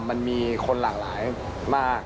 มันมีคนหลายมาก